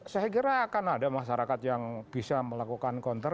saya kira akan ada masyarakat yang bisa melakukan counter